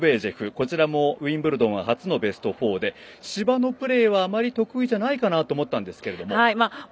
こちらもウィンブルドンは初のベスト４で芝のプレーはあまり得意じゃないかなと思ったんですけれども。